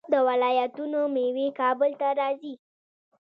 د ولایتونو میوې کابل ته راځي.